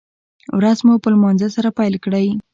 ورځ مو په لمانځه سره پیل کړئ